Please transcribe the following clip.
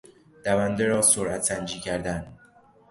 دونده را سرعت سنجی کردن